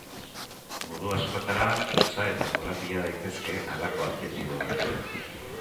Modu askotara luza eta korapila daitezke halako adjektiboak.